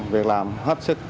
việc làm hết sức